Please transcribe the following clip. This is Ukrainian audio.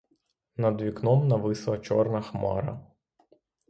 Над вікном нависла чорна хмара.